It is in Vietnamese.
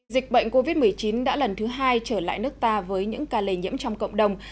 dịch bệnh covid một mươi chín đã lần thứ hai trở lại nước ta với những ca lây nhiễm trong cộng đồng